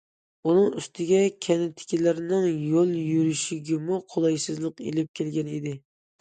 ئۇنىڭ ئۈستىگە كەنتتىكىلەرنىڭ يول يۈرۈشىگىمۇ قولايسىزلىق ئېلىپ كەلگەن ئىدى.